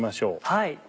はい。